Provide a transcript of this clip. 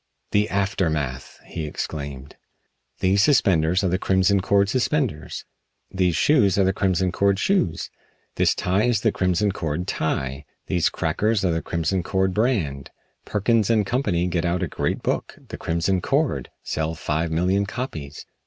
"The aftermath!" he exclaimed. "These suspenders are the Crimson Cord suspenders. These shoes are the Crimson Cord shoes. This tie is the Crimson Cord tie. These crackers are the Crimson Cord brand. Perkins & Co. get out a great book, 'The Crimson Cord!' Sell five million copies.